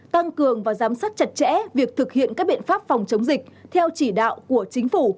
tăng cường và giám sát chặt chẽ việc thực hiện các biện pháp phòng chống dịch theo chỉ đạo của chính phủ